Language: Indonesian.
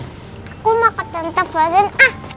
aku mau ke tante frozen ah